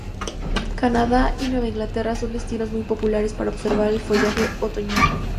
Canadá y Nueva Inglaterra son destinos muy populares para observar el follaje otoñal.